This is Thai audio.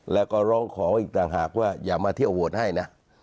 แล้วก็ร้องขออีกต่างหากว่าอย่ามาเที่ยวโหวตให้นะ